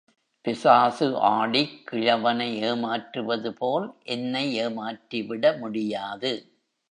பிசாசு ஆடிக் கிழவனை ஏமாற்றுவது போல் என்னை ஏமாற்றி விட முடியாது.